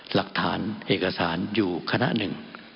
หลักฐานเอกสารอยู่คณะหนึ่ง